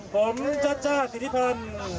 ผมจัดจ้าสิริทธิพันธ์